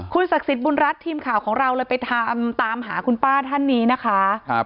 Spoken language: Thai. ศักดิ์สิทธิ์บุญรัฐทีมข่าวของเราเลยไปตามหาคุณป้าท่านนี้นะคะ